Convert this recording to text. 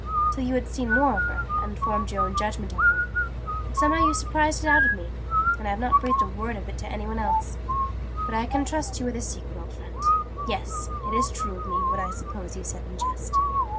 "till you had seen more of her, and formed your own judgment of her: but somehow you surprised it out of me. And I've not breathed a word of it to any one else. But I can trust you with a secret, old friend! Yes! It's true of me, what I suppose you said in jest.